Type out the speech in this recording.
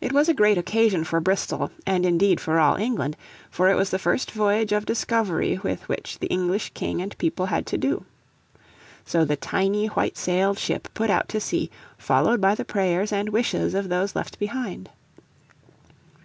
It was a great occasion for Bristol, and indeed for all England, for it was the first voyage of discovery with which the English king and people had to do. So the tiny whitesailed ship put out to sea, followed by the prayers and wishes of those left behind.